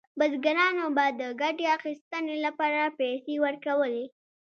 بزګرانو به د ګټې اخیستنې لپاره پیسې ورکولې.